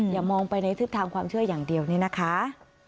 อย่ามองไปในทิศทางความเชื่ออย่างเดียวนี่นะคะ